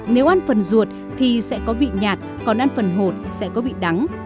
nếu ăn phần ruột thì sẽ có vị nhạt còn ăn phần hột sẽ có vị đắng